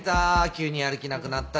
急にやる気なくなった。